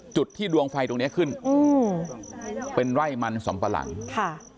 จุดที่ดวงไฟตรงเนี้ยขึ้นอืมเป็นไร่มันสำปะหลังค่ะ